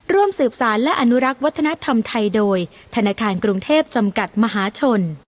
ร่วมสืบสารและอนุรักษ์วัฒนธรรมไทยโดยธนาคารกรุงเทพจำกัดมหาชน